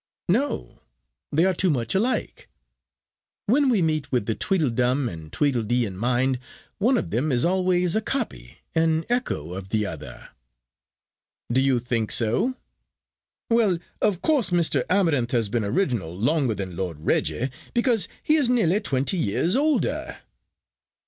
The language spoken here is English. "No, they are too much alike. When we meet with the Tweedledum and Tweedledee in mind, one of them is always a copy, an echo of the other." "Do you think so? Well, of course Mr. Amarinth has been original longer than Lord Reggie, because he is nearly twenty years older."